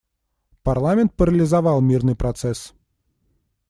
Парламент парализовал мирный процесс.